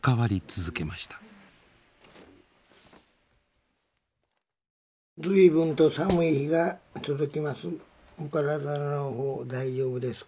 「ずいぶんと寒い日が続きます。